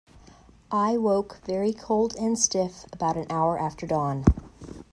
I woke very cold and stiff about an hour after dawn.